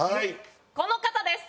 この方です。